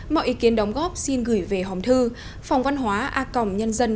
mọi ý kiến đóng góp xin được tạm dừng tại đây